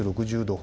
６０度。